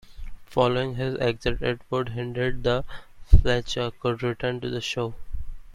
Following his exit, it was hinted that Fletcher could return to the show.